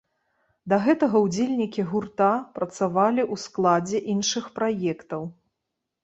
Да гэтага ўдзельнікі гурта працавалі ў складзе іншых праектаў.